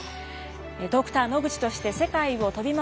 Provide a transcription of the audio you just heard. ドクター野口として世界を飛び回り